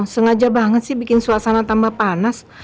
sengaja banget sih bikin suasana tambah panas